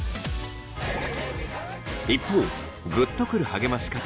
一方グッとくる励まし方